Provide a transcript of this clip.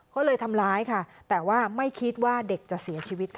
ก็เลยทำร้ายค่ะแต่ว่าไม่คิดว่าเด็กจะเสียชีวิตค่ะ